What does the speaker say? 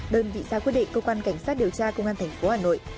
đơn vị ra quyết định cơ quan cảnh sát điều tra công an tp hà nội